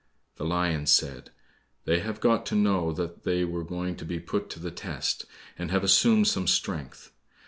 The lion said, "They have got to know that they were going to be put to the test, and have assumed some strength.